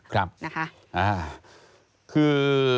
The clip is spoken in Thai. คือ